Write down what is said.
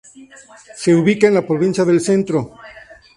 Se ubica en la Provincia del Centro.